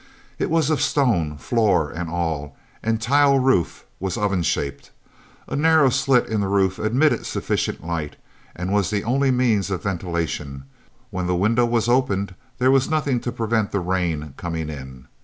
It was of stone, floor and all, and tile roof was oven shaped. A narrow slit in the roof admitted sufficient light, and was the only means of ventilation; when the window was opened there was nothing to prevent the rain coming in.